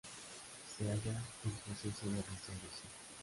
Se halla en proceso de restauración.